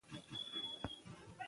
د پرېکړو وضاحت مهم دی